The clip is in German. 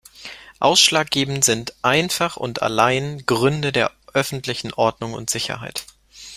Ausschlaggebend sind einfach und allein Gründe der öffentlichen Ordnung und Sicherheit.